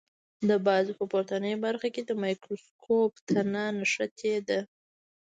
د بازو په پورتنۍ برخه کې د مایکروسکوپ تنه نښتې ده.